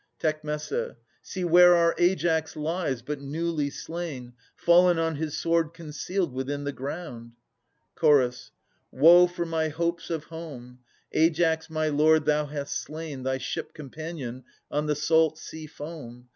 Tec. See where our Aias lies, but newly slain, Fallen on his sword concealed within the ground. Ch. Woe for my hopes of home ! Aias, my lord, thou hast slain Thy ship companion on the salt sea foam.